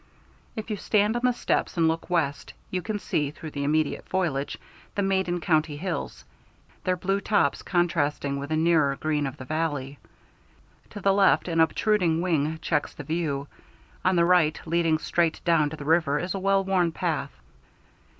If you stand on the steps and look west, you can see, through the immediate foliage, the Maiden County hills, their blue tops contrasting with the nearer green of the valley. To the left, an obtruding wing checks the view; on the right, leading straight down to the river, is a well worn path.